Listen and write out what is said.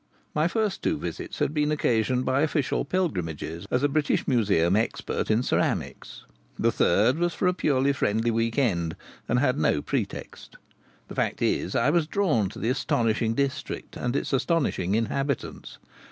My first two visits had been occasioned by official pilgrimages as a British Museum expert in ceramics. The third was for a purely friendly week end, and had no pretext. The fact is, I was drawn to the astonishing district and its astonishing inhabitants.